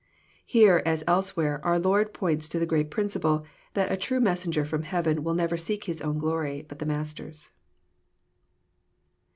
Here, as elsewhere, our Lord points to the great principle, " that a true messenger from heaven will never seek his own glory, but his Master's."